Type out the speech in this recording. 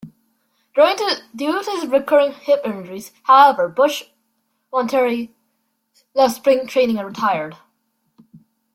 Due to his recurring hip injuries, however, Bush voluntarily left spring training and retired.